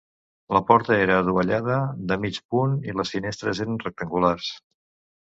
La porta era adovellada de mig punt i les finestres eren rectangulars.